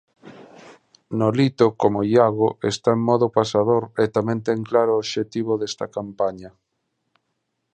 Nolito, como Iago, está en modo pasador e tamén ten claro o obxectivo desta camapaña.